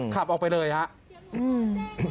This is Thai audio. ขับออกไปเลยครับ